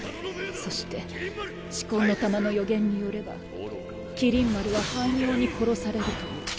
そして四魂の玉の予言によれば麒麟丸は半妖に殺されるという。